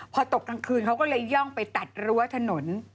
พอตกกลางคืนเขาก็เลยย่องไปตัดรั้วถนน